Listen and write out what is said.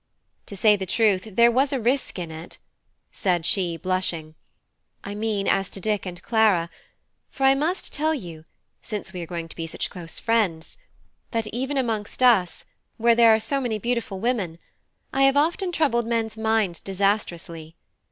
To say the truth, there was a risk in it," said she, blushing "I mean as to Dick and Clara; for I must tell you, since we are going to be such close friends, that even amongst us, where there are so many beautiful women, I have often troubled men's minds disastrously.